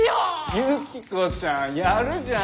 ユキコちゃんやるじゃん。